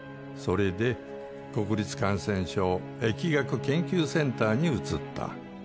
それで国立感染症疫学研究センターに移った。